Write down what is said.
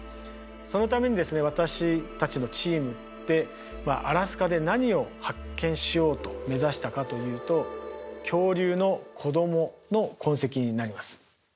そのためにですね私たちのチームでアラスカで何を発見しようと目指したかというと恐竜の子供の痕跡になります。